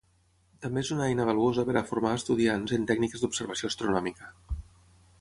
També és una eina valuosa per a formar a estudiants en tècniques d'observació astronòmica.